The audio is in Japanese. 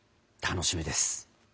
楽しみです！